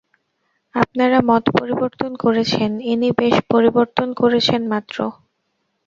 আপনারা মত পরিবর্তন করেছেন, ইনি বেশ পরিবর্তন করেছেন মাত্র।